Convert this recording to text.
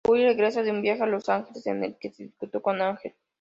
Buffy regresa de un viaje a Los Ángeles en el que discutió con Ángel.